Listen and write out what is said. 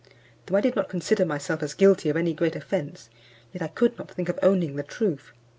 Though I did not consider myself as guilty of any great offence, yet I could not think of owning the truth.